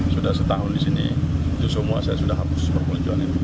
sudah setahun di sini semua saya sudah hapus perpeloncoan ini